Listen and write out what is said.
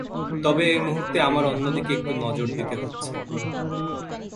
তবে এ মুহুর্তে আমার অন্য দিকে একটু নজর দিতে হচ্ছে।